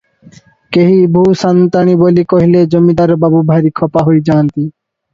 କେହି ବୋହୁ ସାନ୍ତାଣୀ ବୋଲି କହିଲେ ଜମିଦାର ବାବୁ ଭାରି ଖପା ହୋଇଯାଆନ୍ତି ।